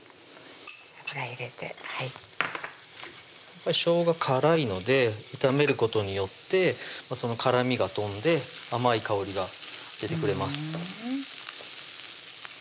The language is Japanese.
油入れてはいしょうが辛いので炒めることによってその辛みが飛んで甘い香りが出てくれます